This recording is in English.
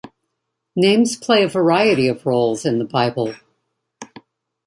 Names play a variety of roles in the Bible.